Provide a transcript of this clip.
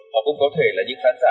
họ cũng có thể là những khán giả